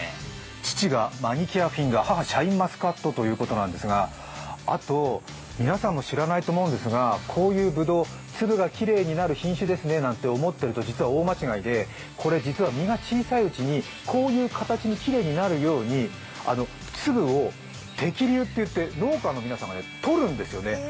父がマニキュアフィンガー、母、シャインマスカットということですがあと皆さんも知らないと思うんですが、こういうぶどう、粒がきれいになる品種ですねと思っていると大間違いでこれ、実は実が小さいうちにこういう形に粒がきれいになるように粒を摘粒といって農家の皆さんがとるんですね。